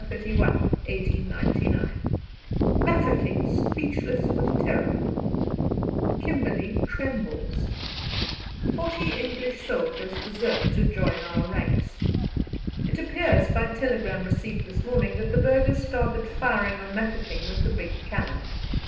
31, 1899 MAFEKING SPEECHLESS WITH TERROR KIMBERLEY TREMBLES 40 ENGLISH SOLDIERS DESERT TO JOIN OUR RANKS It appears by telegram received this morning that the Burghers started firing on Mafeking with the big cannon.